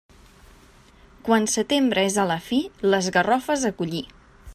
Quan setembre és a la fi, les garrofes a collir.